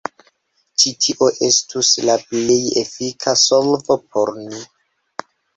Ĉi tio estus la plej efika solvo por ni.